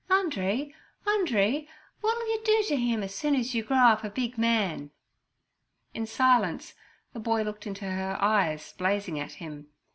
'Andree, Andree, wot'll you do to 'im soon as you grow up a big man?' In silence the boy looked into her eyes blazing at him.